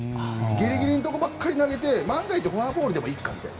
ギリギリのところばかり投げて万が一、フォアボールでもいいかと。